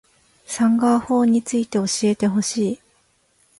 サンガ―法について教えてほしい